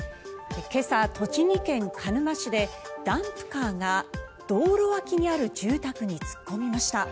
今朝、栃木県鹿沼市でダンプカーが道路脇にある住宅に突っ込みました。